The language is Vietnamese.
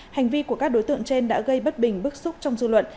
hành vi của các đối tượng trên đã gây bất bình bức xúc trong dư luận